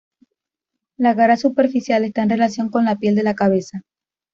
La cara superficial está en relación con la piel de la cabeza.